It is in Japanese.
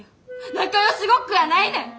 仲よしごっこやないねん！